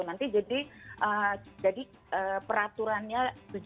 nanti jadi peraturannya tujuh puluh dua